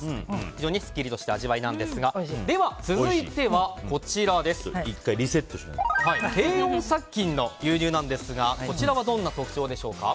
非常にすっきりとした味わいなんですがでは続いては低温殺菌の牛乳なんですがこちらはどんな特徴でしょうか。